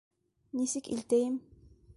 Нисек илтәйем?